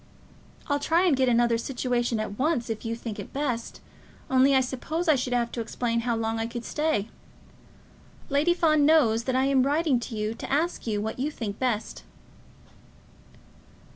I'll try and get another situation at once if you think it best, only I suppose I should have to explain how long I could stay. Lady Fawn knows that I am writing to you to ask you what you think best."